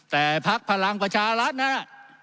แต่ภักดิ์พลังประชาราชน์นั้น